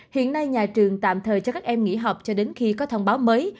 hiện nay nhà trường tạm thời cho các em nghỉ học cho đến khi có thông báo mới